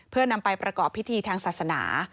เพื่อนำไปประกอบพิธีทางศาสนา